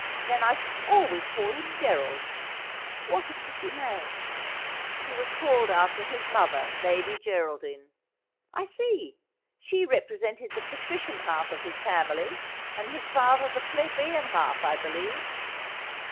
Then I shall always call him Gerald. What a pretty name !'' He was called after his mother. Lady Geraldine.' ' I see. She represented the patrician half of his family, and his father the plebeian half, I believe